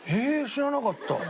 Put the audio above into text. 知らなかった。